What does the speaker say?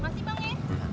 makasih bang ya